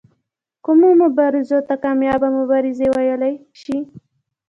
کومو مبارزو ته کامیابه مبارزې وویل شي.